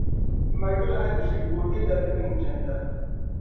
M ma yuli Adishe ka o nya dabi' tiŋ chanda.